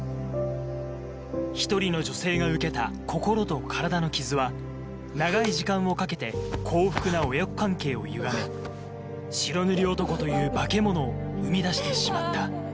１人の女性が受けた心と体の傷は長い時間をかけて幸福な親子関係をゆがめ白塗り男という化け物を生み出してしまったあぁ